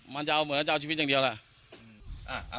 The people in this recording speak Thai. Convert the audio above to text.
มันจะเอาเหมือนจะเอาชีวิตอย่างเดียวล่ะ